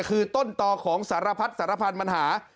คือต้นต่อของสารพัดสารพันธุ์ปัญหา